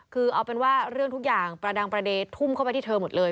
คือเอาเป็นว่าเรื่องทุกอย่างประดังประเด็นทุ่มเข้าไปที่เธอหมดเลย